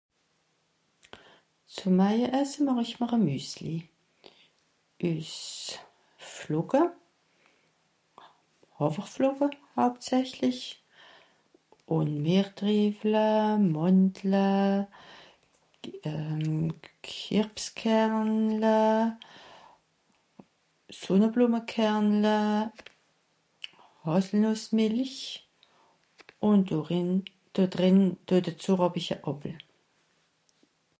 zum .... esse màch esch m'r a müssli üs Flocke Hàffeflocke Hauptsächlich un Mertrivle Mandle euhh Kirbskernle Sonneblummekernle Hàsselnussmelich un dorin dedrìn do dezu rapp isch a Appel